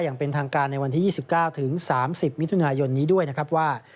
อย่างเป็นทางการในวันที่๒๙ถึง๓๐มิถุนายนนี้ด้วยนะครับว่า